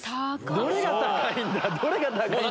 どれが高いんだ